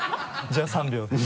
じゃあ３秒で。